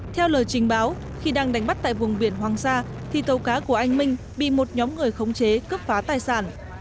theo lời trình báo khi đang đánh bắt tại vùng biển hoàng sa thì tàu cá của anh minh bị một nhóm người khống chế cướp phá tài sản